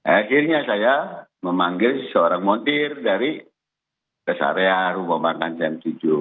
akhirnya saya memanggil seorang montir dari kesaraya rumah bangkang jam tujuh